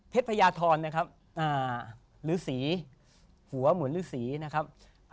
เพชรพญาธรนะครับหัวเหมือนฤษีนะครับ